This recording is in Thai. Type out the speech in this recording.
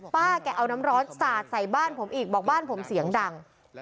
แกเอาน้ำร้อนสาดใส่บ้านผมอีกบอกบ้านผมเสียงดัง